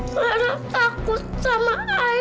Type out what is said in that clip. lara takut sama ayah